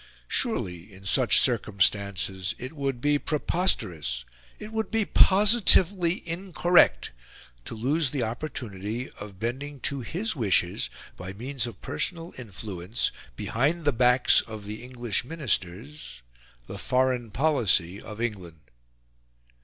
Surely, in such circumstances, it would be preposterous, it would be positively incorrect, to lose the opportunity of bending to his wishes by means of personal influence, behind the backs of the English Ministers, the foreign policy of England.